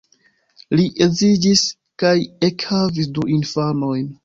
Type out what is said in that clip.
Li edziĝis kaj ekhavis du infanojn.